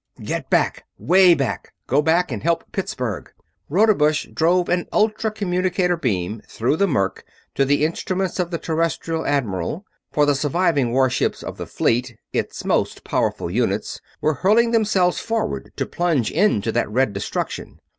"Get back 'way back! Go back and help Pittsburgh!" Rodebush drove an ultra communicator beam through the murk to the instruments of the Terrestrial admiral; for the surviving warships of the fleet its most powerful units were hurling themselves forward, to plunge into that red destruction.